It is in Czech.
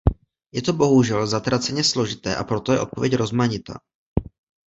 Je to bohužel zatraceně složité, a proto je odpověď rozmanitá.